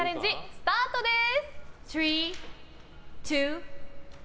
スタートです！